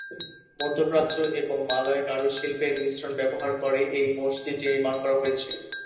মধ্যপ্রাচ্য এবং মালয় কারুশিল্পের মিশ্রণ ব্যবহার করে এই মসজিদটি নির্মাণ করা হয়েছে।